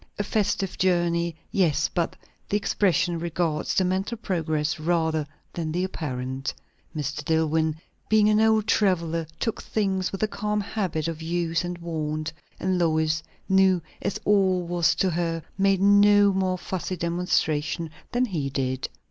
A festive journey, yes; but the expression regards the mental progress rather than the apparent. Mr. Dillwyn, being an old traveller, took things with the calm habit of use and wont; and Lois, new as all was to her, made no more fussy demonstration than he did.